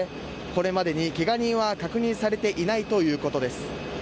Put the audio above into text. これまでに、けが人は確認されていないということです。